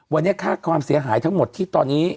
วันนี้ค่าความเสียหายทั้งหมดที่ตอนนี้